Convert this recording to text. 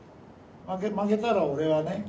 負けたら俺はね